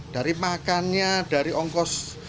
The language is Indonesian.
dari makannya dari ongkos